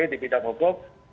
di bidang hukum